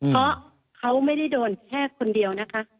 เพราะเขาไม่ได้โดนแค่คนเดียวนะคะ